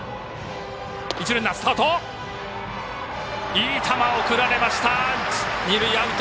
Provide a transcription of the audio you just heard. いい球を送られました二塁アウト。